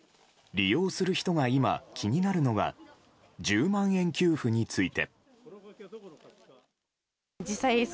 利用する人が今、気になるのが１０万円給付について。